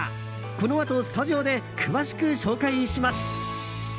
このあとスタジオで詳しく紹介します。